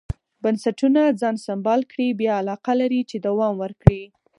بنسټونه ځان سمبال کړي بیا علاقه لري چې دوام ورکړي.